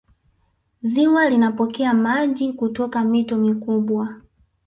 ziwa linapokea maji kutoka mito mikubwa